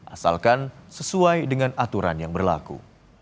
asalkan sesuai dengan aturan yang berlaku